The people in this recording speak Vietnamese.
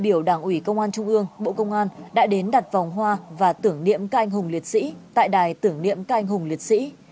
bộ công an đã đến đặt vòng hoa và tưởng niệm ca anh hùng liệt sĩ tại đài tưởng niệm ca anh hùng liệt sĩ